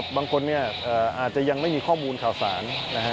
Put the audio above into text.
บางคนอาจจะยังไม่มีข้อมูลข่าวสาร